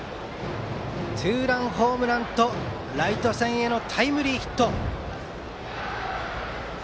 ツーランホームランとライト線へのタイムリーヒット。